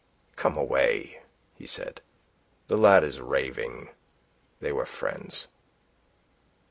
"Come away," he said. "The lad is raving. They were friends."